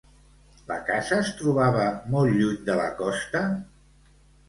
La casa es trobava molt lluny de la costa?